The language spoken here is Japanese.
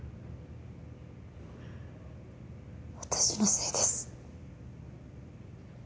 私のせいです。